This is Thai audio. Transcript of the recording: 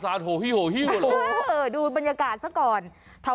เออดูบรรยากาศแล้วพี่